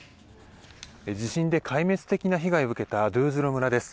地震で壊滅的な被害を受けたドウーズロ村です。